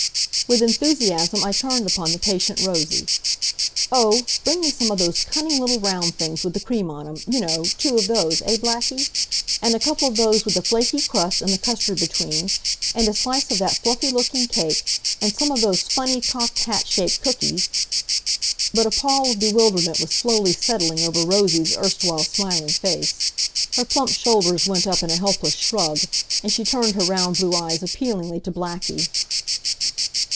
With enthusiasm I turned upon the patient Rosie. "O, bring me some of those cunning little round things with the cream on 'em, you know two of those, eh Blackie? And a couple of those with the flaky crust and the custard between, and a slice of that fluffy looking cake and some of those funny cocked hat shaped cookies " But a pall of bewilderment was slowly settling over Rosie's erstwhile smiling face. Her plump shoulders went up in a helpless shrug, and she turned her round blue eyes appealingly to Blackie.